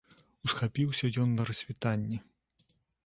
Усхапіўся ён на рассвітанні.